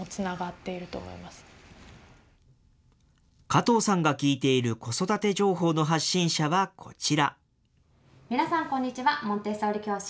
加藤さんが聞いている、子育て情報の発信者はこちら。